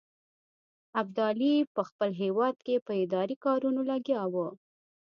ابدالي په خپل هیواد کې په اداري کارونو لګیا وو.